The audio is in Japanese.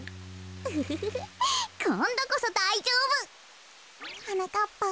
ウフフフこんどこそだいじょうぶ！はなかっぱん。